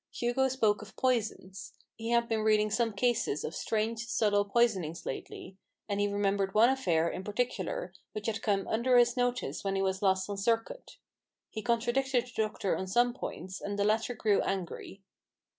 Hugo spoke of poisons. He had been reading some cases of strange, subtile poisonings lately; and he l6a A BOOK OF BARGAINS. remembered one affair, in particular, which had come under his notice when he was last on circuit. He contradicted the doctor on some points, and the latter grew angry.